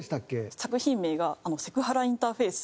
作品名が『セクハラ・インターフェイス』。